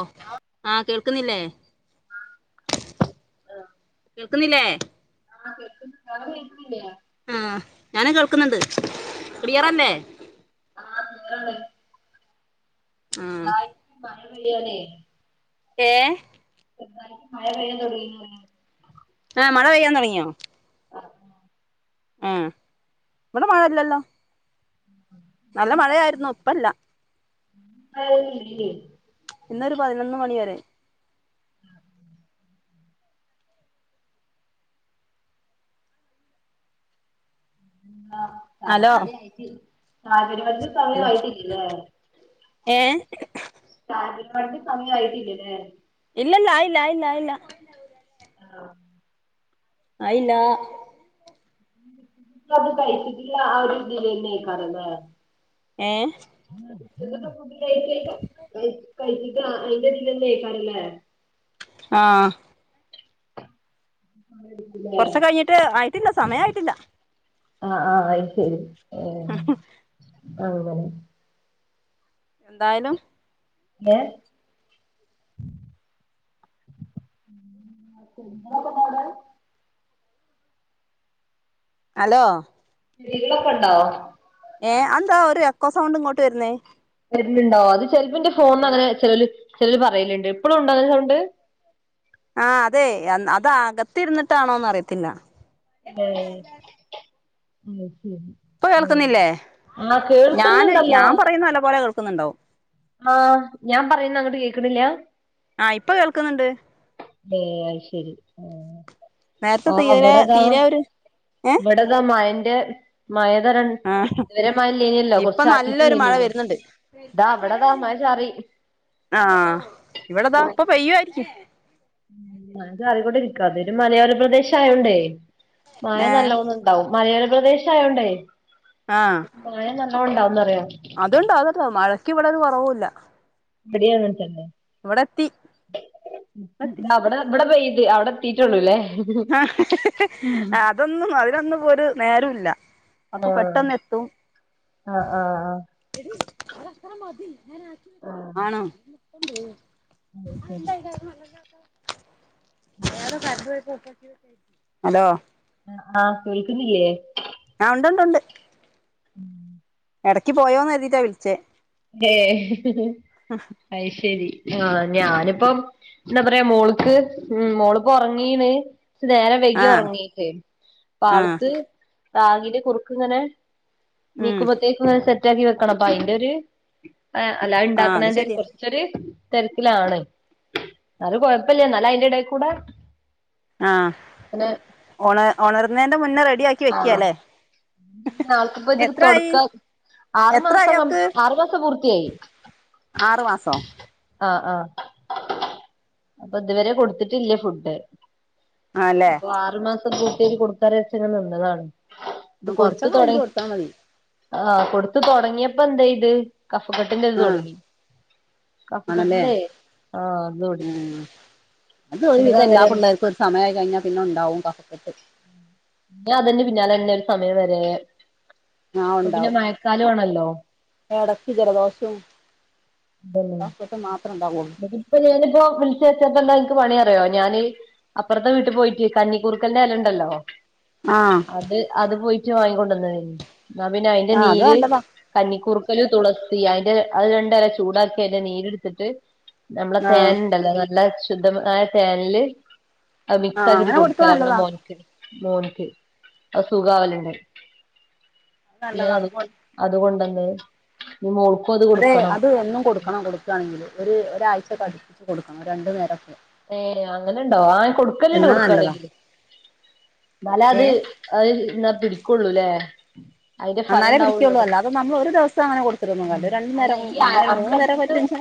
ഒഹ് ആഹ് കേൾക്കുന്നില്ലേ ക്ക്ന്നില്ലേ? ആഹ് കേക്ക്ണ്ട് അങ്ങട്ട് കേക്ക് ലേ ആഹ് ഞാനും കേൾക്ക് ന്ന്ണ്ട് ക്ലിയറല്ലേ? ആഹ് ക്ലിയറ്ണ്ട് ആഹ് മഴ പെയ്യാലെ ഏഹ്? നന്നായിട്ട് മഴ പെയ്യാൻ തൊട്ങ്ങിണ്. ആഹ് മഴ പെയ്യാൻ തൊട്ങ്ങ്യോ? ആഹ് ആഹ് വടെ മാഴല്ലല്ലോ നല്ല മഴയായിര്ന്നു ഇപ്പല്ല മഴെന്നുല്ലേ ഇന്നൊരു പതിനൊന്ന് മണിവരെ. ആഹ് പതിനൊന്ന് ഹലോ മണിയായിക്കി സാഹചര്യങ്ങൾക്ക് ഹലോ സമയായിട്ടില്ലേ? ഏ സാഹചര്യങ്ങക്ക് സമയായിട്ടില്ലലെ. ഇല്ലല്ലാ ആയില്ലായില്ലായില്ല ആഹ് ആയില്ല ഞത് കഴിച്ചിട്ട്ള്ളെ ആ ഒര് ഇതീലെന്നെയ്ക്കാരം ലെ ഏഹ്? ഉച്ചക്കത്തെ ഫുഡ്‌ കഴിച്ച [unintelligible] കഴിച്ചിട്ട് അ അയ്ന്റെ തീലെനെയ്ക്കാരലെ ആഹ് ആടീ കൊർച്ചെ കഴിഞ്ഞിട്ട് ആയിട്ടില്ല സമയായിട്ടില്ല. ആഹ് ആഹ് അയ് ശെരി ഉം അങ്ങനെ എന്തായാലും എഹ്? [unintelligible] അലോ ന്തെങ്കിലൊക്കണ്ടോ ഏഹ അയെന്താ ഒരു എക്കോ സൗണ്ട് ഇങ്ങട്ട് വെര്ന്നേ വര്ന്ന്ണ്ടോ അത് ചെല് പ്പോ ഇന്റെ ഫോണ്ന്ന ങ്ങനെ ചെലോല് ചെലോ ല് പറ്യല്ണ്ട് ഇപ്പോളുണ്ടോ അങ്ങനെ സൗണ്ട്. ആഹ് അതെ അന്ന് അതകത്തിര്ന്നിട്ടാണോന്നറിയത്തില്ല. ഏഹ് അയ് ശെരി. ഇപ്പ കേൾക്ക്ന്നില്ലേ ഞാന് കേൾക്കുന്നുണ്ടല്ലോ ഞാൻ പറയുന്നെ നല്ല പോലെ കേൾക്ക്ന്ന്ണ്ടോ? ആഹ് ഞാൻ പറിണെ അങ്ങട്ട് കേക്ക്ണില്ല. ആഹ് ഇപ്പൊ കേൾക്ക്ന്ന്ണ്ട്. ഏഹ് അയ് ശെരി നേരത്തെ ആഹ് തീരെ അവടതാ തീരെ ഒരു ഏഹ് വടെ അത മയന്റെ മയത രണ്ട് ആഹ് ഇതുവരെ മയയില്ലേനില്ലോ ഇപ്പൊ കുറച്ച് നല്ലൊരു മഴ ചാറ്റിട്ടല്ലേനല്ലോ വരുന്നുണ്ട് ഇതാ അവിടെതാ മയ ചാറി ആഹ് ഇവിടെദാ ഇപ്പ പയ്യു ആയിരിക്കും മയ ചാറിക്കൊണ്ടിരിക്ക ഇതൊരു മലയോര പ്രദേശ ആയോണ്ടേ മായ ഏഹ് നല്ലോന്ന് മലയോര പ്രദേശം ആയോണ്ടേ ആഹ് മഴ നല്ലണം ണ്ടാവോന്നറിയോ അത്ണ്ട് അത് മഴക്ക് ഇവിടൊരു കുറവൂല്ല ഇവിടീം അങ്ങനെതന്നെ എത്തി ഇവിടെ പെയ്യണ്ട് അവിടെ എത്തിട്ടെ ഉള്ളൂല്ലേ ആ അതൊന്നും അതിനൊന്നും ഒരു നേരം ഇല്ല ഒക്കെ ആഹ് പെട്ടന്ന് എത്തും ആഹ് ആഹ് ആഹ് ആണ് അത് ശരി [inaudible] ഹലോ ആഹ് കേൾക്കുന്നില്ലേ ആ ഉണ്ട് ഉണ്ട് ഉണ്ട് ഉം ഇടയ്ക്ക് പോയോന്ന് കരുതീട്ടാ വിളിച്ചേ ഹേ അയ്ശെരി ആ ഞാനിപ്പം എന്താ പറയാ മോള്ക്ക് ഉം മോളിപ്പോ ഉറങ്ങീന്ന് നേരം വൈകിയ ആഹ് ഉറങ്ങിട്ട് അപ്പൊ ആഹ് ആൾക്ക് റാഗിന്റെ കുറുക്കിങ്ങനെ ഉം നീക്കുമ്പത്തേക്കുംങ്ങനെ സെറ്റാക്കി വെക്കണം അപ്പൊ അയിന്റെ ഒര് ആ അല്ലാതെ ആഹ് അത് ഇണ്ടാക്കണന്റെ ശരിയാ കൊറച്ചൊരു തെരക്കിലാണ് ന്നാലും കുഴപ്പില്ല ന്നാലും അയിന്റെ എടെ കൂടെ ആഹ് പിന്നെ ഉണ ഉണർന്നേന്റെ മുന്നേ റെഡി ആക്കി വെക്കിയല്ലേ ആൾക്കിപ്പോ ഇതൊരു തൊടക്കം ആറു എത്രായി മാസം ആറു മാസം പൂർത്തിയായി ആറ് മാസോ ആഹ് ആഹ് അപ്പൊ ഇതുവരെ കൊടുത്തിട്ടില്ലേ ഫുഡ് ആല്ലേ അപ്പൊ ആറു മാസം പൂർത്തിയാക്കി കൊടുക്കാറ് വെച്ചങ്ങ് നിന്നതാണ് ഇത് കൊടുത്ത് കൊറച്ചൊക്കെ കഴിഞ്ഞിട്ട് തുടങ്ങി കൊടുത്താൽ മതി ആ കൊടുത്ത് തൊടങ്ങിയപ്പോ എന്തെയ്ത് കഫകെട്ടിന്റെ ഇത് ആ തുടങ്ങി ആണല്ലേ കഫകെട്ടിന്റെ ആഹ് അത് തുടങ്ങി ഉം അത് ഒരുവിധംഎല്ലാ പിള്ളേർക്കും ഒരു സമയമായി കഴിഞ്ഞ പിന്നെ ഉണ്ടാവും കഫക്കെട്ട് ഞാൻ അതിന്റെ പിന്നാലെന്നെ ഒരു സമയം വരെ ആ ഇപ്പൊ പിന്നെ ഉണ്ടാവും മഴക്കാലു ആണല്ലോ ഇടക്ക് ജലദോഷവും കഫക്കെട്ട് മാത്രം ഉണ്ടാവോ ഇപ്പൊ ഞാനിപ്പോ വിളിച്ച് വെച്ചപ്പോ എനിക്ക് പണി അറിയാവോ ഞാന് അപ്പറത്തെ വീട്ടു പോയിട്ട് കന്നിക്കൂർക്കെന്റെ എലണ്ടല്ലോ ആഹ് അത് അത് പോയിട്ട് വാങ്ങിക്കൊണ്ട് വന്ന് എന്നാ പിന്നെ അതിന്റെ ആ അത് നീര് നല്ലതാ കന്നിക്കൂർക്കല് തുളസി അതിന്റെ അത് രണ്ടല ചൂടാക്കി അതിന്റെ നീരെടുത്തിട്ട് നമ്മള ആ തേൻ ഉണ്ടല്ലോ നല്ല ശുദ്ധമായ തേനില് ആ മിക്സാക്കീട്ട് അങ്ങനെ കൊടുത്തത് കൊടുക്കല അവിടെ നല്ലതാ മോനിക്ക് മോനിക്ക് അത് സുഗാവലുണ്ട് നല്ലതാ അത് അതുകൊണ്ടന്നെ നിമ ഉൾക്കോ [inaudible] അതെ അത് എന്നും കൊടുക്കണം കൊടുക്കുകണെങ്കിൽ ഒരു ഒരാഴ്ചക്കെ അടുപ്പിച്ച് കൊടുക്കണം രണ്ടു നേരക്കെ ഏ അങ്ങനണ്ടോ ആ കൊടുക്കലണ്ട് നല്ലതാ കൊടുക്കവാണെങ്കില് ഇന്നാലെ ഏ അത് അത് ന്നാ പിടി കൊള്ളൂല്ലേ അതിന്റെ ഫലം എന്നാലേ ഉണ്ടാവുള്ളു പിടിക്കുള്ളൂ അറിം അല്ലാതെ നമ്മൾ ഒരു ദിവസം അങ്ങനെ കൊടുത്തിട്ടൊന്നും കാര്യമില്ല രണ്ടു നേരം അങ്ങനെ ഒരു മൂന്ന് നേരം പറ്റുന്ന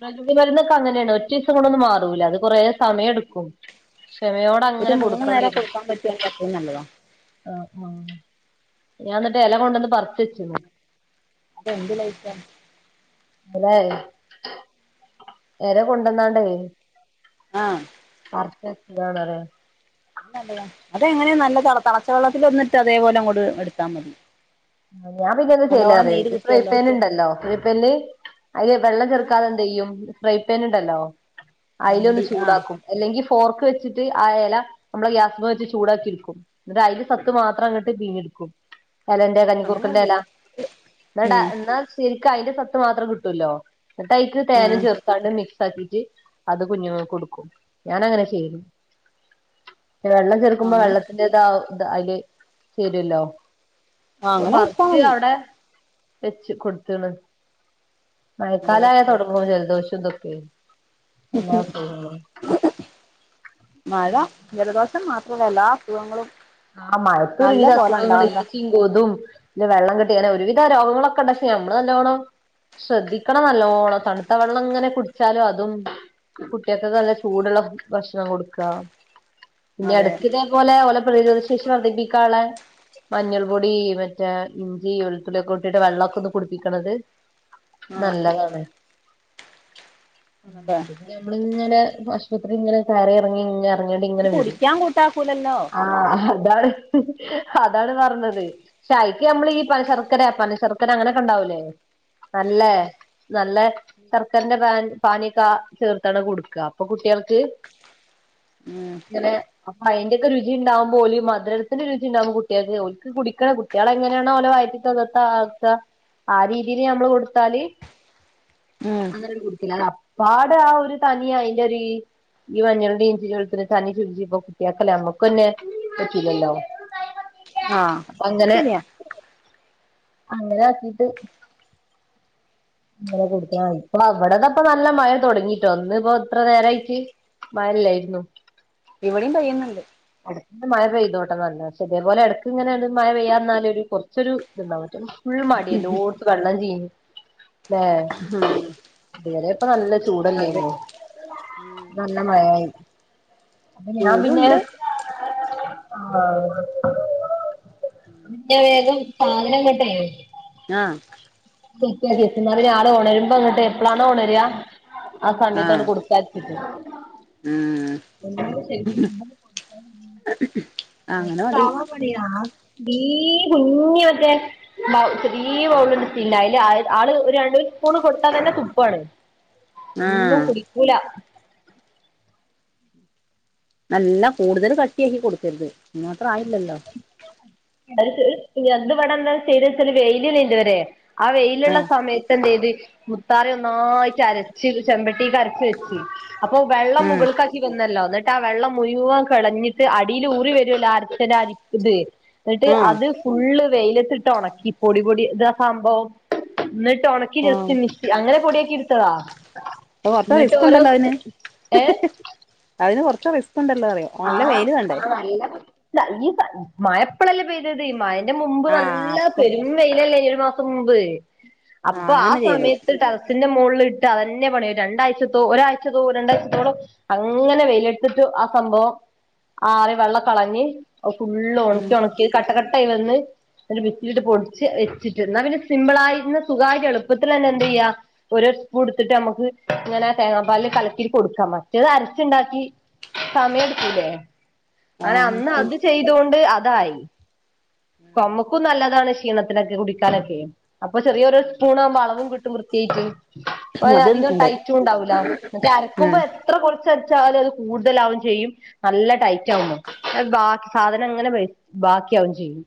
പ്രകൃതിമരുന്നൊക്കെ അങ്ങനെയാണ് ഒറ്റ ദിവസം കൊണ്ടൊന്നും മാറൂല്ല അത് കുറേ സമയംടുക്കും ഒരു ക്ഷമയോടങ്ങനെ മൂന്ന് നേരം കൊടുക്കണ്ടിരും കൊടുക്കാൻ പറ്റുവാണെങ്കിൽ അത്രയും നല്ലതാ ആഹ് ആഹ് ഞാനിന്നട്ട് എല കൊണ്ടന്ന് പറച്ചെച്ചിണ് ഇത് എന്ത് ലീഫാ [unintelligible] എല കൊണ്ടന്നാണ്ടെ ആഹ് [unintelligible] അതേയോ അതങ്ങനെയ നല്ല നല്ല തളച്ച വെള്ളത്തിൽ ഒന്നിട്ട് അതേപോലെ അങ്ങോട് എടുത്താ മതി ഞാൻ പിന്നെ എന്ത നല്ലോണം ചെയ്യല്റിയോ നീര് ക്ക് കിട്ടുവല്ലോ ഫ്രൈപാനുണ്ടല്ലോ ഫ്രൈപാനില് അതില് വെള്ളം ആഹ് ചെർക്കാതെ എന്തയ്യും ഫ്രൈപാൻ ഉണ്ടല്ലോ അതില രണ്ട് ഒന്ന് ആഹ് ചൂടാക്കും അല്ലെങ്കി ഫോർക്ക് വെച്ചിട്ട് ആ എല നമ്മളെ ഗ്യാസ് വെച്ച് ചൂടാക്കി എടുക്കും ന്ട്ട് അതിലെ സത്ത് മാത്രം ങ്ങട്ട് പീഞ്ഞ് എടുക്കും എലന്റെ അങ്ങനെ മതി ക്കൂർകന്റല എന്നട ഉം എന്നാശരിക്ക അതിന്റെ സത്ത് മാത്രം കിട്ടോല്ലോ ന്നട്ടയ്ക്ക് തേനും ആഹ് ചെർക്കും മിക്സ് ആക്കിട്ട് അത് കുഞ്ഞു ങ്ങക്കൊടുക്കും ഞാൻ അങ്ങനെ ചെയ്യല് ന്നെ വെള്ളം ചെർക്കുമ്പോ അങ്ങ് വെള്ളത്തിന്റെ താ അതില് ചേരുല്ലോ ആഹ് അപ്പ അങ്ങനെ കൊടുത്താ പർച്ച് മതി അവിടെ വെച്ച് കൊടുത്ണ് അതെ മയക്കാലായ തോടങ്ങൂലേ ജലദോഷംതൊക്കെ മഴ ജലദോഷം മാത്ര പ്പം എല്ലാസുഖങ്ങളും ആ മഴത്ത് ഒരുവിധ അസുഖങ്ങള് കൊതും പിന്നെ വെള്ളകെട്ടി അങ്ങനെ ഒരുവിധരോഗങ്ങളൊക്കെ ണ്ടങ്ങനെ പക്ഷേ ഞമ്മള്ല്ലോണം ശ്രദ്ധിക്കണം നല്ലോണം തണുത്ത വെള്ളം ഇങ്ങനെ കുടിച്ചാല് അതും കുട്ടികൾക്കൊക്കെ നല്ല ചൂടുള്ള ഭക്ഷണം കൊടുക്ക പിന്നെ അതെ എട്ക്ക് ഇതേപോലെ ഓല പ്രതിരോത ശേഷി വർദ്ധിപ്പിക്കാൻളെ മഞ്ഞൾ പൊടി, മറ്റേ ഇഞ്ചി, വെളുത്തുള്ളി ഒക്കെ ഇട്ടിട്ട് വെള്ളൊക്കെ ഒന്ന് കുടിപ്പിക്കണത് ആഹ് നല്ലതാണ് അതെ ഞമ്മളിങ്ങനെ ആശുപത്രി ഇങ്ങനെ കറി ഇറങ്ങി ങ്ങ കുടിക്കാൻ കൂട്ടാക്കൂലല്ലോ ആഹ് അതാണ് അതാണ് പറഞ്ഞത് ക്ഷ അയ്ക്ക് അമ്മള് ഈ ശർക്കര പനശർക്കര അങ്ങനെക്കെ ഉണ്ടാവൂലേ ഉം നല്ലേ നല്ലേ ഷർക്കരന്റെ പൻ പാനിയൊക്ക ചേർത്താണ്ട് കൊടുക്ക അപ്പൊ കുട്ട്യാൾക്ക് ഉം അങ്ങനെ അപ്പം അയിന്റെ ക്കൊരു രുചി ചിണ്ടാവുമ്പ ഓല് മതിരത്തിന്റെ ഒരു രുചിണ്ടാവുമ്പം കുട്ട്യാക്ക് ഓൽക്ക് കുടിക്കണ കുട്ട്യാളങ്ങനേണോ ഓല വയറ്റി താത്ത ആ രീതിൽ നമ്മള് കൊടുത്താല് ഉം അങ്ങനെ കുടിക്കില്ല അപ്പാട് ആ ഒരു തനിയ അയിന്റെ ഒരു ഈ മഞ്ഞൾന്റിം, ഇഞ്ചിന്റിം വെൾത്തി തനി രുചി ഇപ്പൊ കുട്ടിയാക്കല്ല നമ്മ ക്കെന്നെ പറ്റൂലല്ലോ ആഹ് അപ്പൊ അങ്ങനെ ശരിയ അങ്ങനെ ആക്കീട്ട് അങ്ങനെ കുടിച്ചാ മതി ഇപ്പൊള ഇവിടതപ്പ നല്ല മഴ തുടങ്ങിട്ടോ ഇന്ന്പ്പൊ ഇത്ര നേരായിട്ട് മാഴ ഇല്ലായിരുന്നു ഇവിടെയും പെയ്യുന്നുണ്ട് അടുത്ത മഴ പെയ്തോട്ടെ നല്ലതാ പക്ഷെ ഇതേപോലെ എടക്ങ്ങനെണ്ട് മഴ പെയ്യാതിരുന്നാല് ഒരു കുറച്ചൊരു ഇത്ണ്ടാവും മറ്റ് ഫുള്ള് മടി എല്ലോട്ത്തും വെള്ളം ചീ ല്ലേ ആഹ് ഇന്നലെക്കെ നല്ല അതെ ചൂടല്ലേന്നോ ഉം നല്ല മഴായി അപ്പ ഞാൻ പിന്നെ ചൂടുണ്ട് [inaudible] ഉം ഞാൻ വേഗം സാധനങ്ങട്ടെയ് ആഹ് സെറ്റ് ആക്കി വെക്കും ന്നാപിന്നെ ആളെ ഒണരുമ്പോ എന്നിട്ട് എപ്ലാണോ ഒണരാ ആ ആഹ് സമയത്താണ്ട് കൊടുക്കാച്ചിട്ട് ആഹ് [unintelligible] അങ്ങനെ മതി [unintelligible] ടീ കുഞ്ഞി മറ്റേ ബൗ ചെറിയ ബൗളുണ്ട് പിന്നെ അതില് ആള് ഒരു രണ്ട് സ്പൂൺ കൊടുത്താ തന്നെ തുപ്പാണ് ഒന്നും ആഹ് കുടിക്കൂല നല്ല കൂടുതൽ കട്ടിയക്കി കൊടുക്കരുത് അയ്നാത്രം ആയില്ലല്ലോ അടുത്തത് എന്ത് വടെ എന്താ ചെയ്ത് വെച്ചാല് വെയിലില്ല ഇതുവരെ ആ വെയിലുള്ള ആഹ് സമയത്ത് എന്തെയ്ത് മുത് കറി ഒന്നായിട്ട് അരച്ച് ചെമ്പട്ടിക്കരച്ച് വെച്ച് അപ്പൊ വെള്ളം ഉം മുകൾക്കാക്കി ക്കിവന്നല്ലോ ന്നിട്ടാ വെള്ളം മുഴുവൻ കെളഞ്ഞിട്ട് അടീല് ഊറി വരുല്ലോ അരച്ചന്റെ അരി ത് ന്നിട്ട് ആഹ് അത് ഫുള്ള് വെയിലത്തിട്ട് ഉണക്കി പൊടി പൊടി എന്താ സംഭവം ന്നിട്ട് ഒണക്കി ആഹ് ജസ്റ്റ് മിക്സ് അങ്ങനെ പൊടിയാക്കി എടുത്തതാ ഓഹ് അപ്പോ എന്നിട്ട് റിസ്ക് ഓരോ ഉണ്ടല്ലോ അയിന് ഏഹ് അയിന് കൊറച്ച് റിസ്ക് ക്ക്‌ണ്ടല്ലോ അറിയോ നല്ല ആഹ് വെയില് വേണ്ടേ ആഹ് നല്ല [unintelligible] ഈ മഴ ഇപ്പളല്ലേ പെയ്തത് ഈ മയെന്റെ മുമ്പ് ആഹ് നല്ല അപ്പൊ പെരും വെയിലല്ലേയ്ഞ്ഞൊ ഒരു മാസം മുമ്പ് ആഹ് അപ്പൊ ആ അങ്ങനെ ചെയ്തു സമയത്ത് ടറ റസിന്റെ മോളിൽ ഇട്ട് അതന്നെ പണി രണ്ടാഴ്ചത്തോ ഒരാഴ്ചത്തോ രണ്ടാഴ്ചത്തോളം അങ്ങനെ വെയിലെടുത്തിട്ട് ആഹ് സംഭവം ആറി വെള്ളം കളഞ്ഞ് ഫുള്ള് ഉം ഉണക്കി ഉണക്കി കട്ട കട്ടായി വന്ന് മിക്സിയിൽ ഇട്ട് പൊടിച്ച് വെച്ചിട്ട് എന്നാ പിന്നെ സിമ്പിളായിരുന്ന് സുഖായിറ്റ് എളുപ്പത്തിലന്നെ എന്തെയ്യാ ഒരു സ്പൂൺ എടുത്തിട്ട് നമുക്ക് ഇങ്ങനെ തേങ്ങാ പാലില് കലക്കി കൊടുക്കാം മറ്റേത് അരച്ചുണ്ടാക്കി സമയ എടുക്കൂലെ അങ്ങനെ അന്ന് ആഹ് അത് ചെയ്തൊണ്ട് അതായി നമുക്കും നല്ലതാണ് ക്ഷീണത്തിനൊക്കെ കുടിക്കാനൊക്കെ അപ്പൊ ചെറിയൊരു സ്പൂൺ ആവുമ്പോ അളവും കിട്ടും വൃത്തിയായിട്ട് പ്പോ അത് അധികം ഉണ്ട് ടൈറ്റുണ്ടാവൂല മറ്റേ അരക്കുമ്പോ ഉം എത്ര കൊറച്ച അരച്ചാലും അത് കൂടും ടുതലാവും ചെയ്യും നല്ല ടൈറ്റ് ആവുന്നു അ ബാക്കി സാധനം ഇങ്ങനെ ബാക്കിയാവേം ചെയ്യും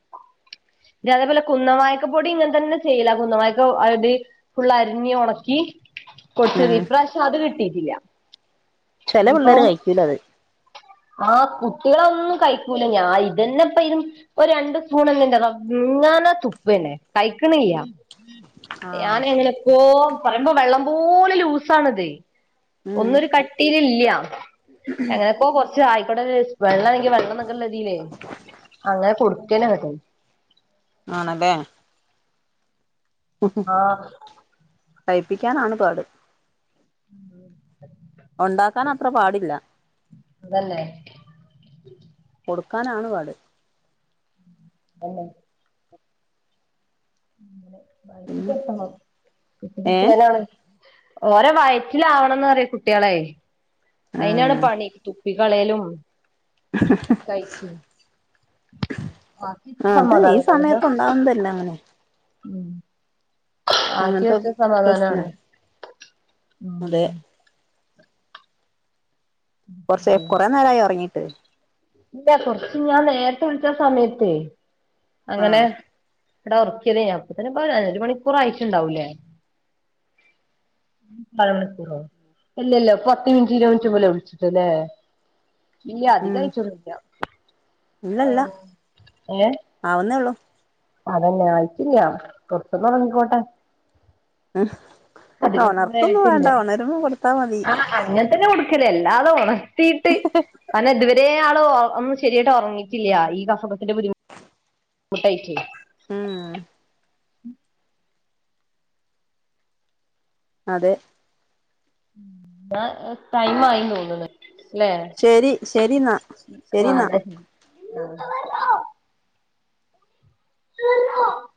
പിന്നെ അതേപോലെ കുന്ന വായക്ക പൊടി ഇങ്ങനെ തന്നെ ചെയ്ല് കുന്ന വായക്ക അത് ഫുള്ള് അരിഞ്ഞ് ഒണക്കി കൊടുത്ത്‌ ഉം ഇപ്രാവശ്യം അത് കിട്ടിട്ടില്ല ചെലേ പിള്ളേര് കഴിക്കൂല അത് ആഹ് കുട്ടികളൊന്നും കയിക്കൂല ഞാൻ ഇതന്നെ ഇപ്പ ഇര് ഒരു രണ്ട് സ്പൂണ് ഇന്ന്ന്റെ റബ്ബേ ഇങ്ങനെ തുപ്പന്നെ കയിക്ക്ണില്ല ആഹ് ഞാന് എങ്ങനെപ്പോ പറയുമ്പോ വെള്ളം പോലെ ലൂസാണ്ത് ഉം ഒന്നൊരു കട്ടിലില്ല എങ്ങനെപ്പോ കുറച്ച് ആയിക്കോട്ടെന്ന് വിചാരിച്ച് വെള്ളം എങ്കിൽ വെള്ളം എന്നൊക്കെള്ള രീതിലേ അങ്ങനെ കൊടുക്കന്നങ്ങട്ട് ആണലേ ആഹ് കയിപ്പിക്കാനാണ് പാട് ഉണ്ടാക്കാൻ അത്ര പാടില്ല സുഖല്ലേ കൊടുക്കാനാണ് പാട്. [unintelligible] പിന്നെ വയറ്റിക്കെത്തണം ഏഹ് എത്തിക്കിട്ടിയാലാണ് ഓരെ വയറ്റിലാവണംന്ന് പറിയെ കുട്ട്യാളെ അയിനാണ് ഉം പണി. തുപ്പികളയലും കയ്ക്കും. ആ അത് ഈ സമാധാനം ഉണ്ടാവില്ല സമയത്ത് ഉണ്ടാവുന്നതല്ല അങ്ങനെ ആദ്യം അങ്ങനത്തെ ആദ്യം പ്രശ്ന സമാധാനാണ്. അതെ. ഉം കുറച്ചേ കുറേ കുറേ നേരമായി ഉറങ്ങീട്ട്. ഇല്ല കൊറച്ച് ഞാൻ നേരത്തെ വിളിച്ച സമയത്തെയ് അങ്ങനെ. ആഹ് ഇവിടെ ഉറക്കിയ തേനി അപ്പത്തന്നെ ഒരു മണിക്കൂർ ആയിട്ടുണ്ടാവുല്ലേ? അര മണിക്കൂറോ ഇല്ലല്ല പത്ത് മിനിറ്റ് ഇരുപത്ത് മിനിറ്റ് പോലും. ത് ലൊ ഇല്ല ഉം അധികായിട്ടൊന്നുല്ല ആ ഏ ആവുന്നെ ഒള്ളു. അതന്നെ ആയിക്കില്ല കുറച്ചൊന്ന് ഒറങ്ങിക്കോട്ടെ. ഉം അധികം ഒണർത്തൊന്നും വേണ്ട ഒണരുമ്പം കൊടുത്താ മതി. അങ്ങന തന്നെ കൊടുക്കല് അല്ലാതെ ഉണർത്തിട്ട് അ ഇവ ദേ ആള് ഒന്ന് ശരിയായിട്ട് ഉറങ്ങിട്ടില്ല ഈ കഫകെട്ടിന്റെ ബുദ്ധിമു മുട്ടൈയ്ററ്. ആഹ് [inaudible] അതെ. ന്ന ടൈം ആയി തോന്ന്ണ്. ല്ലെ ശരി ശരിന്നാ ശരിന്നാ [unintelligible] [unintelligible]